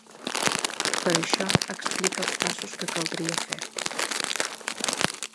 Per això explica els passos que caldria fer.